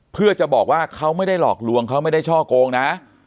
เพื่อจะบอกว่าเขาไม่ได้หลอกลวงเขาไม่ได้ช่อโกงนะ